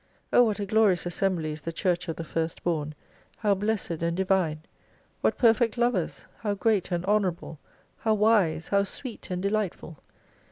O what a glorious assembly is the Church of the first born, how blessed and divine ! "What perfect lovers ! How great and honorable ! How wise ! How sweet and delightful